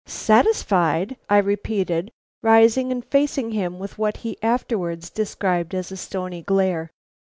"Satisfied?" I repeated, rising and facing him with what he afterwards described as a stony glare.